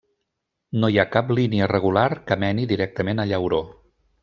No hi ha cap línia regular que meni directament a Llauró.